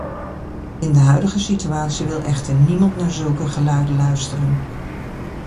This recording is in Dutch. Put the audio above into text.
In de huidige situatie wil echter niemand naar zulke geluiden luisteren.